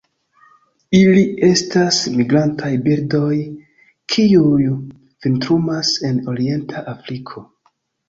Ili estas migrantaj birdoj, kiuj vintrumas en orienta Afriko.